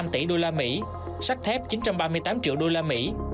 ba mươi bốn năm tỷ usd sắc thép chín trăm ba mươi tám triệu usd